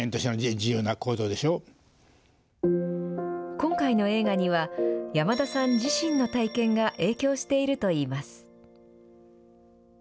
今回の映画には山田さん自身の体験が影響していると言います。